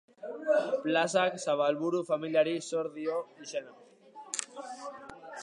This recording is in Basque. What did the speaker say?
Plazak Zabalburu familiari zor dio izena.